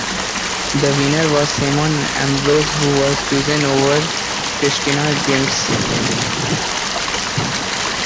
The winner was Simon Ambrose who was chosen over Kristina Grimes.